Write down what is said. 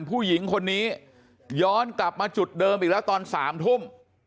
ผู้หญิงคนนี้ย้อนกลับมาจุดเดิมอีกแล้วตอน๓ทุ่ม